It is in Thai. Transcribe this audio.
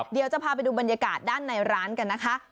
เดี๋ยวจะพาไปดูบรรยากาศด้านในร้านกันนะคะ